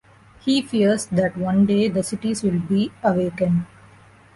He fears that one day, the cities will awaken.